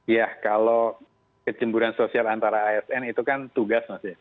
ya kalau kecemburuan sosial antara asn itu kan tugas